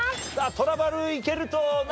トラバるいけるとな。